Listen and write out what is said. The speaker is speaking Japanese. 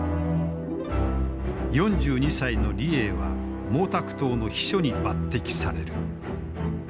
４２歳の李鋭は毛沢東の秘書に抜てきされる。